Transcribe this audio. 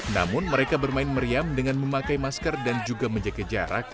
namun mereka bermain meriam dengan memakai masker dan juga menjaga jarak